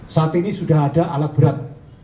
saat ini sudah ada alat berat